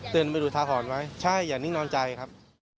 เตือนเป็นอุทาหอนไหมใช่อย่านิ่งนอนใจครับ